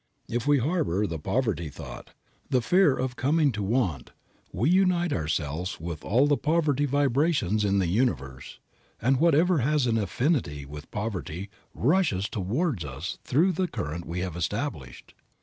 If we harbor the poverty thought, the fear of coming to want we unite ourselves with all the poverty vibrations in the universe, and whatever has an affinity with poverty rushes toward us through the current we have established.